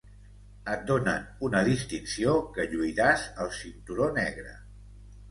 Et donen una distinció que lluiràs al cinturó negre.